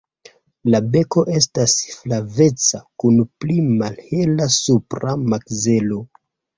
La beko estas flaveca kun pli malhela supra makzelo.